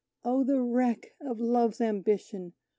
Oh, the wreck of Love's ambition!